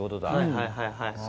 はいはいはいはい。